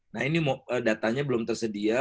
nah ini datanya belum tersedia